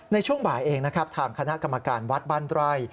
ในช่วงบ่ายเองถามคณะกรรมการวัดบันดรัย